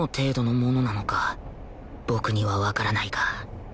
僕にはわからないが